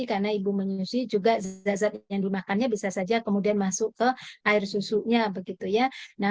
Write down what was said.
karena ibu menyusui juga zazat yang dimakannya bisa saja kemudian masuk ke air susunya